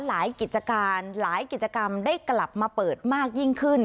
กิจการหลายกิจกรรมได้กลับมาเปิดมากยิ่งขึ้น